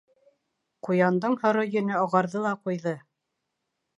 Ҡуяндың һоро йөнө ағарҙы ла ҡуйҙы.